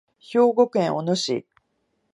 兵庫県小野市